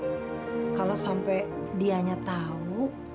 kalau sampai dianya tahu